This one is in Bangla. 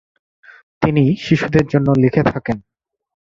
তিনি শিশুদের জন্য লিখে থাকেন।